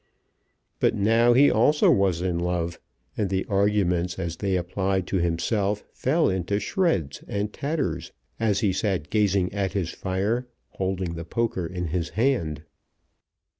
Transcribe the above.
But now he also was in love, and the arguments as they applied to himself fell into shreds and tatters as he sat gazing at his fire, holding the poker in his hand.